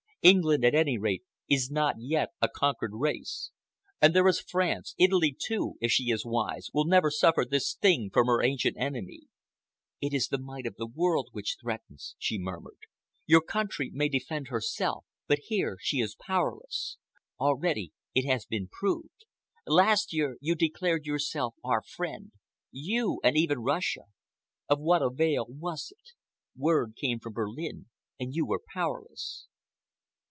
"England, at any rate, is not yet a conquered race. And there is France—Italy, too, if she is wise, will never suffer this thing from her ancient enemy." "It is the might of the world which threatens," she murmured. "Your country may defend herself, but here she is powerless. Already it has been proved. Last year you declared yourself our friend—you and even Russia. Of what avail was it? Word came from Berlin and you were powerless."